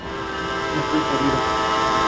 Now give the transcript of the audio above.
Estoy jodido.